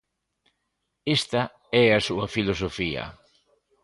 Esta é a súa filosofía.